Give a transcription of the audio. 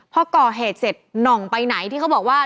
พอก่อเหตุเสร็จหน่องไปไหนที่เขาบอกว่า